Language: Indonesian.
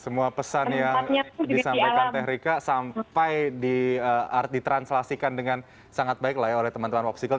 semua pesan yang disampaikan teh rika sampai ditranslasikan dengan sangat baik lah ya oleh teman teman popsicle